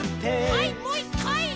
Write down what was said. はいもう１かい！